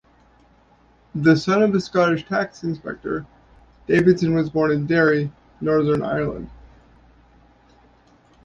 The son of a Scottish tax inspector, Davidson was born in Derry, Northern Ireland.